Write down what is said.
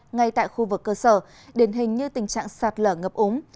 ngay tại khu vực cơ sở điển hình như tình trạng sạt lở ngập ống